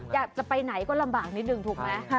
อยากจะไปไหนก็ลำบากนิดหนึ่งถูกไหม